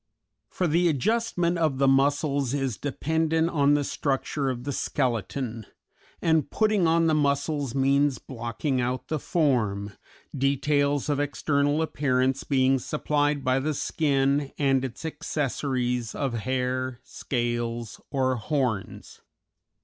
For the adjustment of the muscles is dependent on the structure of the skeleton, and putting on the muscles means blocking out the form, details of external appearance being supplied by the skin and its accessories of hair, scales, or horns.